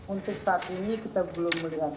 untuk saat ini kita belum melihat